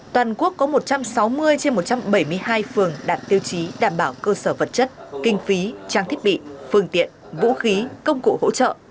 toàn quốc có một trăm sáu mươi trên một trăm bảy mươi hai phường đạt tiêu chí đảm bảo cơ sở vật chất kinh phí trang thiết bị phương tiện vũ khí công cụ hỗ trợ